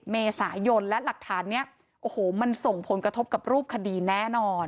เมษายนและหลักฐานนี้โอ้โหมันส่งผลกระทบกับรูปคดีแน่นอน